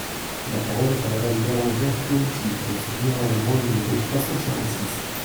La parole est à Madame Bérengère Poletti, pour soutenir l’amendement numéro trois cent quarante-six.